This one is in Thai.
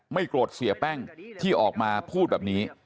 โกรธเสียแป้งที่ออกมาพูดแบบนี้